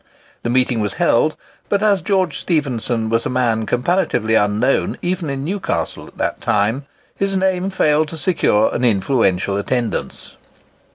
The meeting was held; but as George Stephenson was a man comparatively unknown even in Newcastle at that time, his name failed to secure "an influential attendance."